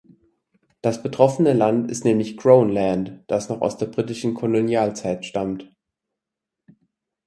Das betroffene Land ist nämlich "Crown Land", das noch aus der britischen Kolonialzeit stammt.